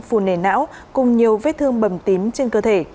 phù nề não cùng nhiều vết thương bầm tím trên cơ thể